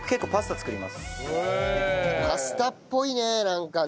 パスタっぽいねなんかね。